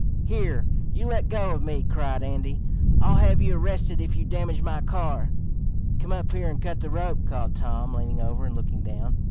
"Here! You let go of me!" cried Andy. "I'll have you arrested if you damage my car." "Come up here and cut the rope," called Tom leaning over and looking down.